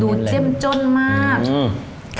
ดูเจ้มจ้นมาก